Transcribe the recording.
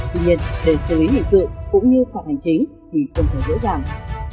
tuy nhiên để xử lý hình sự cũng như phạt hành chính thì không thể dễ dàng